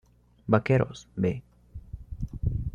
Vaqueros "B"